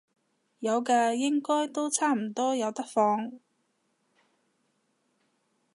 有嘅，應該都差唔多有得放